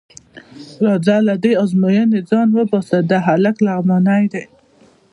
راځه له دې ازموینې ځان وباسه، دا هلک لغمانی دی.